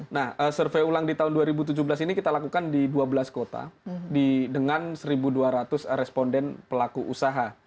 nah survei ulang di tahun dua ribu tujuh belas ini kita lakukan di dua belas kota dengan satu dua ratus responden pelaku usaha